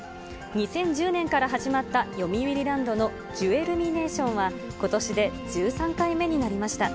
２０１０年から始まったよみうりランドのジュエルミネーションは、ことしで１３回目になりました。